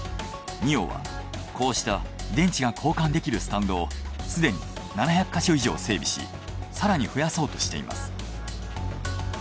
ＮＩＯはこうした電池が交換できるスタンドをすでに７００ヵ所以上整備し更に増やそうとしています。